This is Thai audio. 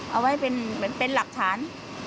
เอาไว้เป็นหลักฐาน